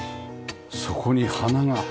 そこに花が。